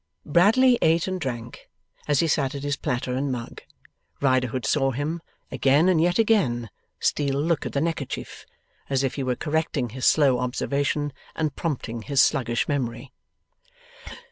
Bradley ate and drank. As he sat at his platter and mug, Riderhood saw him, again and yet again, steal a look at the neckerchief, as if he were correcting his slow observation and prompting his sluggish memory.